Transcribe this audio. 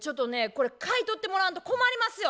これ買い取ってもらわんと困りますよ。